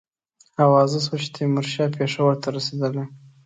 آوازه سوه چې تیمورشاه پېښور ته رسېدلی.